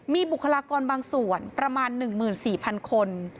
มีบุคลากรบางส่วนประมาณ๑๔๐๐๐คน